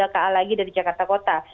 ka lagi dari jakarta kota